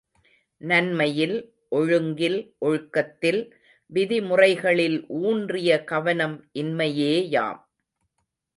நன்மையில், ஒழுங்கில், ஒழுக்கத்தில் விதிமுறைகளில் ஊன்றிய கவனம் இன்மையேயாம்.